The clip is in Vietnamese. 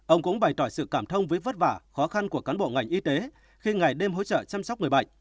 ông cũng bày tỏ sự cảm thông với vất vả khó khăn của cán bộ ngành y tế khi ngày đêm hỗ trợ chăm sóc người bệnh